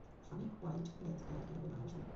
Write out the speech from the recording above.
আমি হোয়াইট ডেথকে কীভাবে মারবো শুনি?